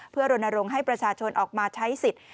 เพื่อรณรงค์ให้ประชาชนออกมาใช้สิทธิ์